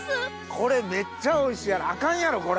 これめっちゃおいしいアカンやろこれ！